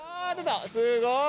すごい。